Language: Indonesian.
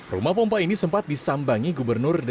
rumah pompa ini sempat disambangi gubernur dgk